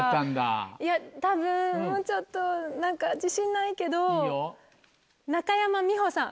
いやたぶんもうちょっと何か自信ないけど中山美穂さん。